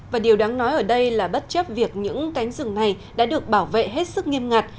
và điều đáng nói ở đây là bất chấp việc những cánh rừng này đã được bảo vệ hết sức nghiêm ngặt